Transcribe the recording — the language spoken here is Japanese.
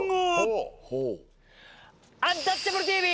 「アンタッチャブるＴＶ」